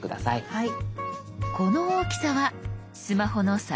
はい。